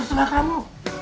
baca terserah kamu